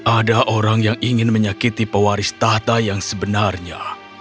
ada orang yang ingin menyakiti pewaris tahta yang sebenarnya